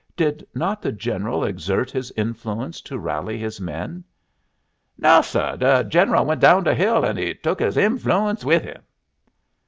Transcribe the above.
Did not the General exert his influence to rally his men?" "No, sah. De Gennul went down de hill, an' he took his inflooence with him."